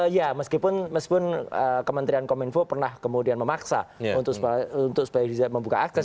ya meskipun kementerian kominfo pernah kemudian memaksa untuk supaya bisa membuka akses